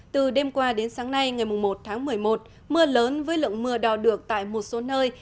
từ đêm qua đến sáng nay ngày một tháng một mươi một mưa lớn với lượng mưa đo được tại một số nơi